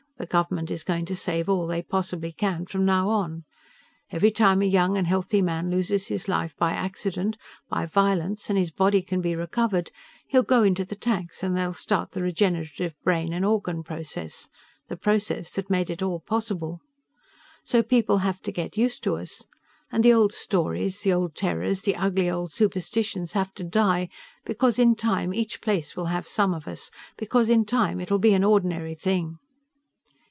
The government is going to save all they possibly can from now on. Every time a young and healthy man loses his life by accident, by violence, and his body can be recovered, he'll go into the tanks and they'll start the regenerative brain and organ process the process that made it all possible. So people have to get used to us. And the old stories, the old terrors, the ugly old superstitions have to die, because in time each place will have some of us; because in time it'll be an ordinary thing."